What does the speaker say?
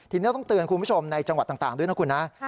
ทีนี้ต้องเตือนคุณผู้ชมในจังหวัดต่างด้วยนะคุณนะ